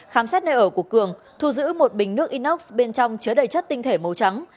khám xét nơi ở của cường thu giữ một bình nước inox bên trong chứa đầy chất tinh thể màu trắng